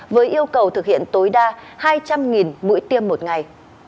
với yêu cầu thực hiện tối đa hai trăm linh mũi tiêm một ngày